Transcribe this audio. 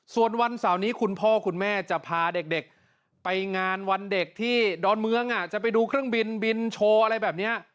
ส่วนวันเสาร์นี้คุณพ่อคุณแม่จะพาเด็กไปงานวันเด็กที่ดอนเมืองจะไปดูเครื่องบินบินโชว์อะไรแบบนี้